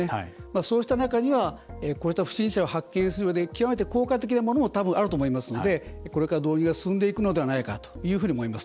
そうした中にはこうした不審者を発見するのに極めて効果的なものもあると思いますのでこれから導入が進んでいくのではないかというふうに思います。